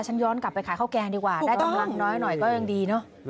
ย้อนกลับไปขายข้าวแกงดีกว่าได้กำลังน้อยหน่อยก็ยังดีเนอะ